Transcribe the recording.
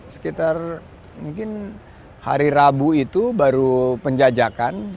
sekitar mungkin hari rabu itu baru penjajakan